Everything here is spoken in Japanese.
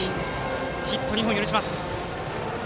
ヒット２本許します。